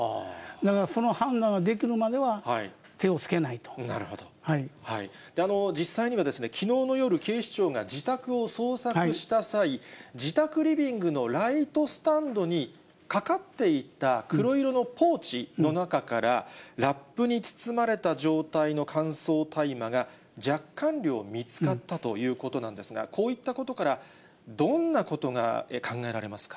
だからその判断ができるまでは、実際には、きのうの夜、警視庁が自宅を捜索した際、自宅リビングのライトスタンドにかかっていた黒色のポーチの中から、ラップに包まれた状態の乾燥大麻が若干量見つかったということなんですが、こういったことから、どんなことが考えられますか？